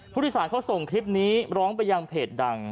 ผู้โดยสารเขาส่งคลิปนี้ร้องไปยังเพจดัง